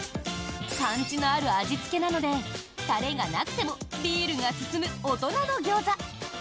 パンチのある味付けなのでタレがなくてもビールが進む大人のギョーザ。